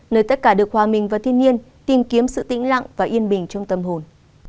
nơi tất cả được hòa mình vào thiên nhiên tìm kiếm sự tĩnh lặng và yên bình trong tâm hồn